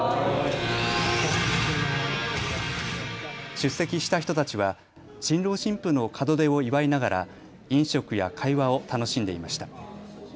出席した人たちは新郎新婦の門出を祝いながら飲食や会話を楽しんでいました。